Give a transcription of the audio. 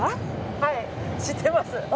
はい知ってます。